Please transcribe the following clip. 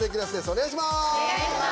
お願いします！